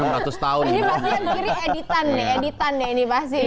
ini pasti yang kiri editan nih editan nih ini pasti